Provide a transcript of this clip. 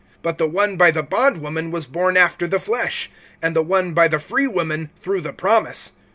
(23)But the one by the bondwoman was born after the flesh, and the one by the freewoman through the promise.